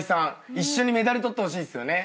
一緒にメダル取ってほしいっすよね。